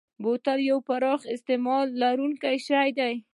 بوتل یو پراخ استعمال لرونکی شی دی.